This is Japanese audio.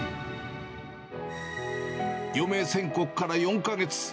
余命宣告から４か月。